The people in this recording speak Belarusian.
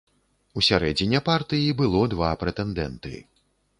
У сярэдзіне партыі было два прэтэндэнты.